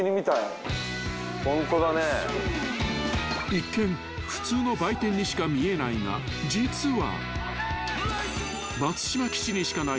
［一見普通の売店にしか見えないが実は］